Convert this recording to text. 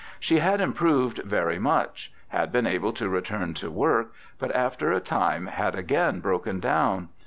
She had improved very much, had been able to return to work, but after a time had again broken down.